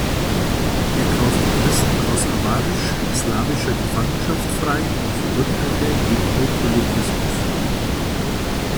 Er kaufte Christen aus awarisch-slawischer Gefangenschaft frei und verurteilte den Monotheletismus.